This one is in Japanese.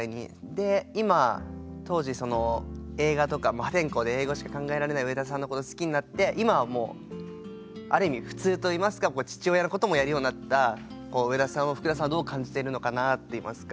で今当時映画とか破天荒で映画しか考えられない上田さんのこと好きになって今はもうある意味普通といいますか父親のこともやるようになった上田さんをふくださんはどう感じているのかなっていいますか。